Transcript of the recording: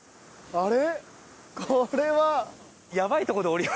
あれ。